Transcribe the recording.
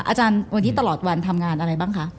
อาจารย์วันนี้ตลอดวันทำงานอะไรบ้างคะ